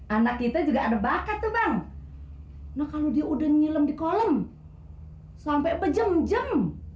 anak kita juga ada bakat tuh bang nah kalau dia udah nyelem di kolam sampai pejam jam